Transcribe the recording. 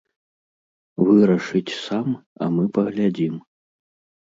Вырашыць сам, а мы паглядзім.